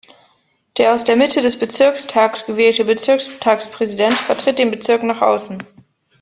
Der aus der Mitte des Bezirkstags gewählte Bezirkstagspräsident vertritt den Bezirk nach außen.